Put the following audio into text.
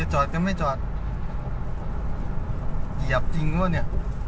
อย่าจอดก็ไม่จอดเหยียบจริงหรอเนี้ย